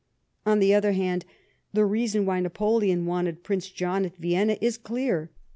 On the other hand, the reason why Napoleon wanted Prince John at Vienna is clear.